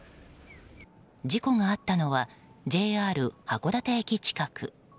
事故があったのはＪＲ函館駅近く。